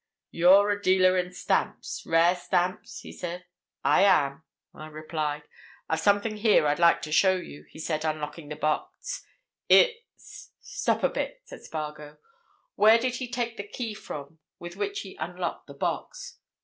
'You're a dealer in stamps—rare stamps?' he said. 'I am,' I replied. 'I've something here I'd like to show you,' he said, unlocking the box. 'It's—'" "Stop a bit," said Spargo. "Where did he take the key from with which he unlocked the box?"